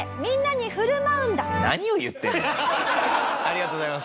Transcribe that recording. ありがとうございます。